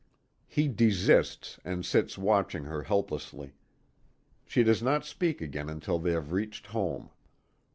He desists, and sits watching her helplessly. She does not speak again until they have reached home.